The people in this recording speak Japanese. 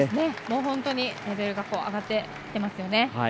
本当にレベルが上がってきていますよね。